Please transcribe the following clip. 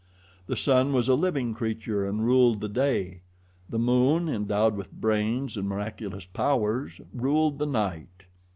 The sun was a living creature and ruled the day. The moon, endowed with brains and miraculous powers, ruled the night.